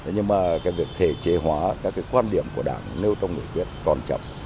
nhưng việc thể chế hóa các quan điểm của đảng nêu trong nghị quyết còn chậm